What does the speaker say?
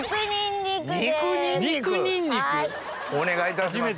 お願いいたします。